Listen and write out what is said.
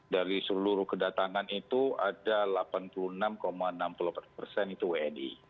dari seluruh kedatangan itu ada delapan puluh enam enam puluh empat persen itu wni